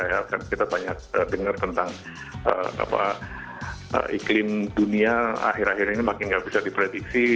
karena kita banyak dengar tentang iklim dunia akhir akhir ini makin nggak bisa diprediksi